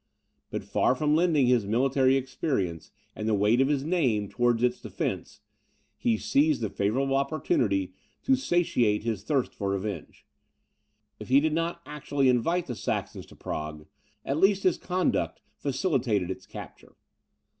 But far from lending his military experience, and the weight of his name, towards its defence, he seized the favourable opportunity to satiate his thirst for revenge. If he did not actually invite the Saxons to Prague, at least his conduct facilitated its capture.